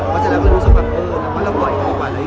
เขาจะแล้วรู้สึกแบบโอ้แล้วก็เราปล่อยกันดีกว่าเลย